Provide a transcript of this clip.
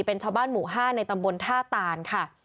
เป็นชาวบ้านหมู่๕ในตำบลท่าตานค่ะ